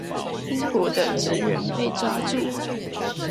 英國的職員被抓住